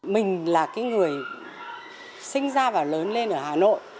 mình là cái người sinh ra và lớn lên ở hà nội